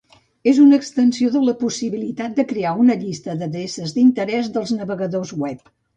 És una extensió de la possibilitat de crear una llista d'adreces d'interès dels navegadors web.